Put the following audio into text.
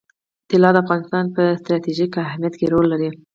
طلا د افغانستان په ستراتیژیک اهمیت کې رول لري.